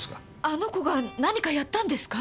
あの子が何かやったんですか？